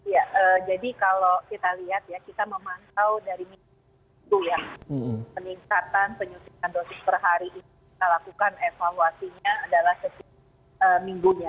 ya jadi kalau kita lihat ya kita memantau dari minggu ya peningkatan penyuntikan dosis per hari ini kita lakukan evaluasinya adalah setiap minggunya